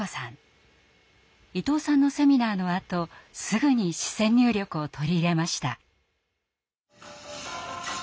伊藤さんのセミナーのあとすぐに視線入力を取り入れました。